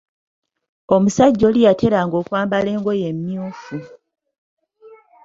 Omusajja oli yateranga okwambala engoye emyuufu.